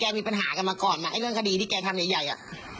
มีปัญหากันมาก่อนไหมไอ้เรื่องคดีที่แกทำใหญ่อ่ะ